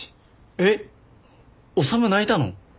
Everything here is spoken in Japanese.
えっ修泣いたの？